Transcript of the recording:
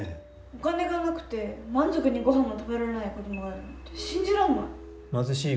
お金がなくて満足にご飯も食べられない子供がいるなんて信じられない。